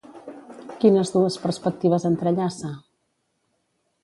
Quines dues perspectives entrellaça?